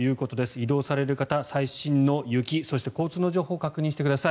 移動される方、最新の雪そして交通の情報を確認してください。